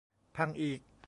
พังอีก